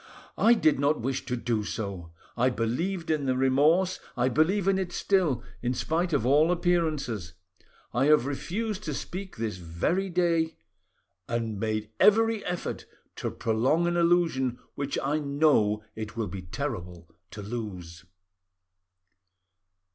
I did not wish to do so. I believed in the remorse; I believe in it still, in spite of all appearances; I have refused to speak this very day, and made every effort to prolong an illusion which I know it will be terrible to lose."